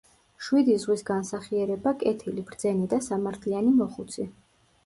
მშვიდი ზღვის განსახიერება, კეთილი, ბრძენი და სამართლიანი მოხუცი.